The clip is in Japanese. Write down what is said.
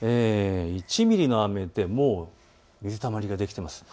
１ミリの雨でもう水たまりができています。